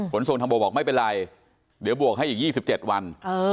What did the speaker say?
ขนส่งทางบกบอกไม่เป็นไรเดี๋ยวบวกให้อีก๒๗วัน